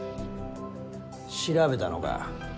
調べたのか？